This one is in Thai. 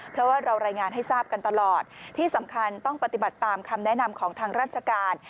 เพราะว่าเรารายงานให้ทราบกันตลอดที่สำคัญต้องปฏิบัติตามคำแนะนำของทางราชการ